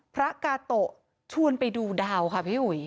พระกาโตะชวนไปดูดาวค่ะพี่อุ๋ย